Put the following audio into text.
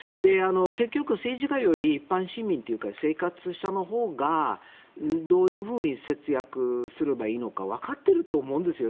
結局、政治家より一般市民というか生活者のほうがどういうふうに節約すればいいのかわかっていると思うんですよ。